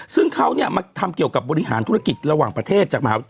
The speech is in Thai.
ซึ่งเขามาทำเกี่ยวกับบริหารธุรกิจระหว่างประเทศ